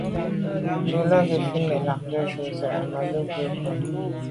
Bú lá' gə́ fít nə̀ lɑgdə̌ jú zə̄ Ahmadou rə̂ bú.